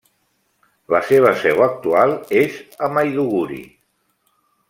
La seva seu actual és a Maiduguri.